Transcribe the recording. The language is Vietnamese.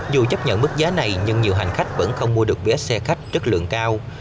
dù chấp nhận mức giá này nhưng nhiều hành khách vẫn không mua được vé xe khách chất lượng cao